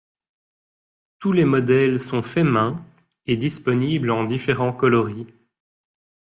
Tous les modèles sont faits main, et disponible en différents coloris.